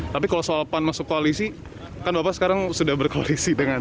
tapi kalau soal pan masuk koalisi kan bapak sekarang sudah berkoalisi dengan